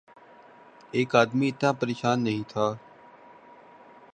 ایک آدمی اتنا پریشان نہیں تھا۔